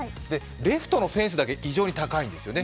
レフトのフェンスだけ異常に高いんですよね。